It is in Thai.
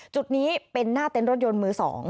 จุดนี้เป็นหน้าเต็นต์รถยนต์มือ๒